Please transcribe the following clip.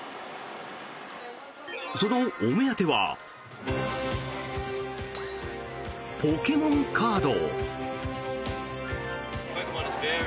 そのお目当てはポケモンカード。